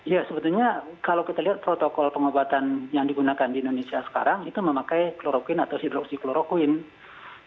ya sebetulnya kalau kita lihat protokol pengobatan yang digunakan di indonesia sekarang itu memakai kloroquine atau hidroksikloroquine